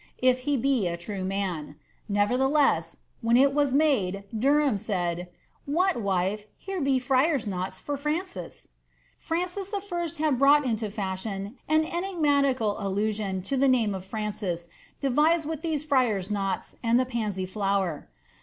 KATnARINB HOWARD^ if he be a true dmb :'' nevertheless, when it was madey Dcilitni mad ^ What, wife, here be friars' knots for Francis !^ Francis J. had brought into fashion an enigmatical allnnoa to tht name of Francis, devised with these friars' knots and the puisy flower.